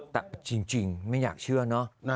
แต่จริงไม่อยากเชื่อเนอะ